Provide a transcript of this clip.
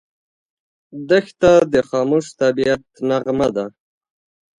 دښته د خاموش طبعیت نغمه ده.